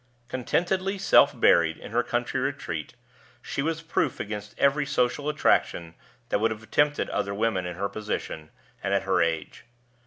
Contentedly self buried in her country retreat, she was proof against every social attraction that would have tempted other women in her position and at her age.